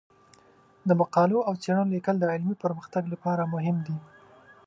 د مقالو او څیړنو لیکل د علمي پرمختګ لپاره مهم دي.